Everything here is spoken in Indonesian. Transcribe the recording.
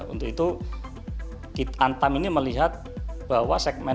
untuk itu antam ini melihat bahwa segmen